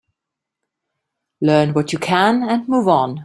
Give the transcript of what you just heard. Learn what you can and move on.